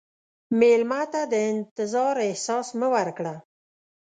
مېلمه ته د انتظار احساس مه ورکړه.